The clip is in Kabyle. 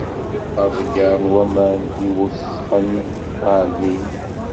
Aḍegger n waman i iwesxen ɣer din.